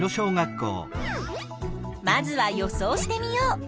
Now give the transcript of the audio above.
まずは予想してみよう。